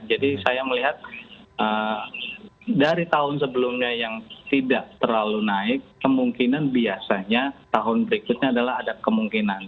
jadi saya melihat dari tahun sebelumnya yang tidak terlalu naik kemungkinan biasanya tahun berikutnya adalah ada kemungkinan